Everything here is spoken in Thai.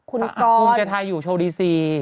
วงแจทร์ไทยอยู่ตรงโชว์ดีซี